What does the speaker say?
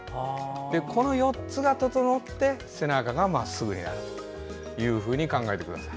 この４つが整って背中がまっすぐになると考えてください。